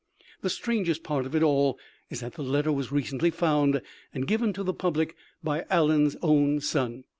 The strangest part of it all is that the letter was recently found and given to the public by Allen's own son.